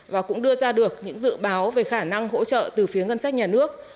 và cũng đưa ra được những dự báo về khả năng hỗ trợ từ phía ngân sách nhà nước